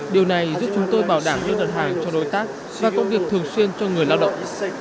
điều này giúp chúng tôi bảo đảm đơn đặt hàng cho đối tác và công việc thường xuyên cho người lao động